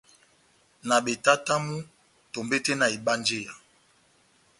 Na betatamu tombete na ebanjeya.